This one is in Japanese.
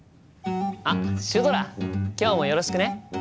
あっシュドラ今日もよろしくね！